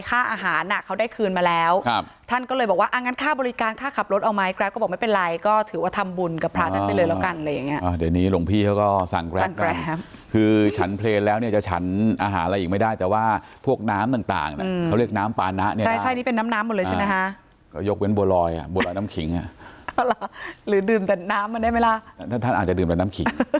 ค่าอาหารเขาได้คืนมาแล้วท่านก็เลยบอกว่า